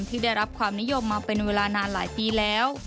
ที่ได้รับความนิยมมาเป็นเวลานานหลายปีแล้ว